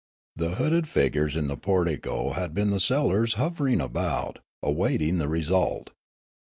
The hooded figures in the portico had been the sellers hovering about, awaiting the result.